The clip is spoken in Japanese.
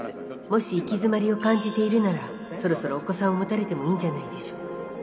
もし行き詰まりを感じているならそろそろお子さんを持たれてもいいんじゃないでしょうか？